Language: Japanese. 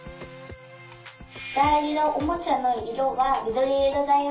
だいじなおもちゃのいろはみどりいろだよ。